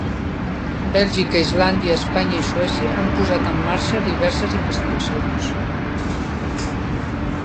Bèlgica, Islàndia, Espanya i Suècia han posat en marxa diverses investigacions.